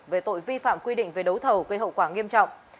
về tội vi phạm quy định về đấu thầu gây hậu quả nghiêm trọng